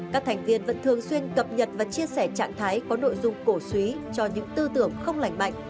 các thành viên vẫn thường xuyên cập nhật và chia sẻ trạng thái có nội dung cổ suý cho những tư tưởng không lành mạnh